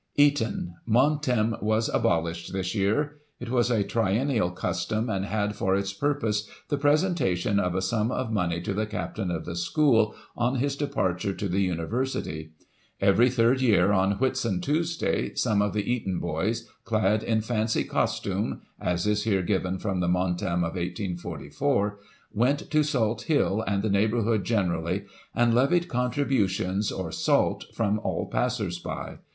Eton " Montem " was abolished this year. It was a triennial custom, and had for its purpose the presentation of a sum of money to the Captain of the school on his departure to the University. Every third year, on Whitsun Tuesday, some of the Eton boys, clad in fancy costume (as is here given from the Montem of 1844), went to Salt Hill, and the neigh bourhood generally, and levied contributions, or " Salt/' from all passers by.